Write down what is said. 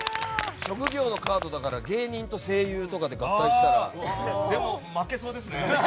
職業のカードだから芸人と声優とかで負けそうですね。